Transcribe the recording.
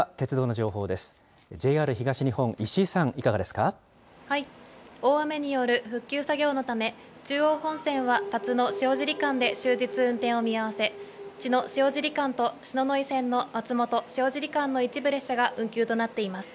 大雨による復旧作業のため、中央本線は辰野・塩尻間で終日、運転を見合わせ、茅野・塩尻間と篠ノ井線の松本・塩尻間の一部列車が運休となっています。